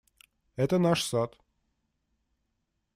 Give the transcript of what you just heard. Это наш сад.